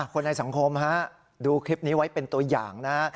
คนในสังคมฮะดูคลิปนี้ไว้เป็นตัวอย่างนะฮะ